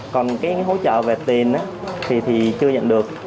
còn hỗ trợ về tiền thì chưa nhận được